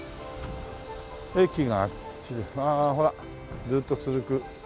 駅があっちでああほらずっと続く。